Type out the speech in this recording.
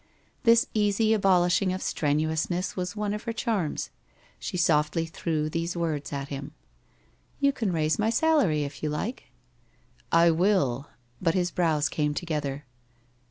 This easy abolishing of strenuousness was one of her charms. She softly threw these words at him. WHITE ROSE OF WEARY LEAF 129 ' You can raise my salary if you like.' * I will/ But his brows came together.